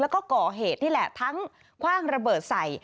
แล้วก็ก่อเหตุนี่แหละทั้งคว่างระเบิดใส่